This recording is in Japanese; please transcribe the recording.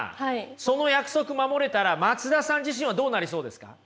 その約束守れたら松田さん自身はどうなりそうですか？